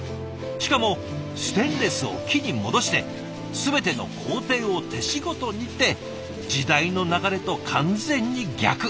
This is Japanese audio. しかもステンレスを木に戻して全ての工程を手仕事にって時代の流れと完全に逆。